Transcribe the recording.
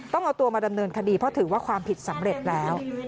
ต้องเอาตัวมาดำเนินคดีเพราะถือว่าความผิดสำเร็จแล้ว